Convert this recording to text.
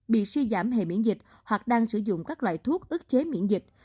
bị suy giảm hệ miễn dịch hoặc đang sử dụng các loại thuốc ức chế miễn dịch